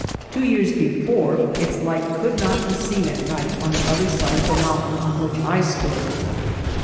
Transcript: Two years before its light could not be seen at night on the other side of the mountain on which I stood.